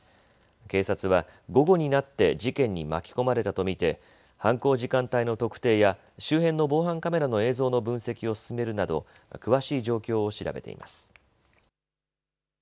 警察は午後になって事件に巻き込まれたと見て犯行時間帯の特定や周辺の防犯カメラの映像の分析を進めるなど詳しい状況を調べています。